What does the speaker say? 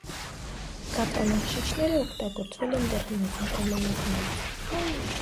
Գաթանախշիչները օգտագործվել են դեռ հնագույն ժամանակներից։